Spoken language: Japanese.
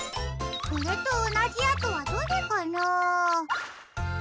これとおなじあとはどれかな？